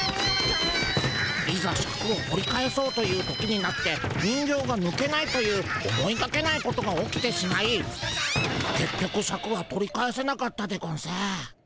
いざシャクを取り返そうという時になって人形がぬけないという思いがけないことが起きてしまいけっ局シャクは取り返せなかったでゴンス。